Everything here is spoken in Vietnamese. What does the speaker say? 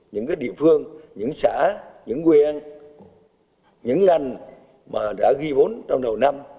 những địa phương những xã những quyền những ngành mà đã ghi vốn trong đầu năm